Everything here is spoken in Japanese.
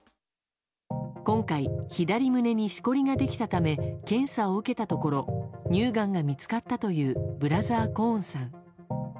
今回、左胸にしこりができたため検査を受けたところ乳がんが見つかったというブラザー・コーンさん。